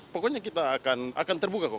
pokoknya kita akan terbuka kok